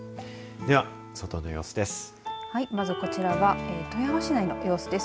では外の様子です。